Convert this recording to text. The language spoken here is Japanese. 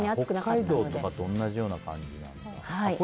北海道とかと同じような感じなんだ。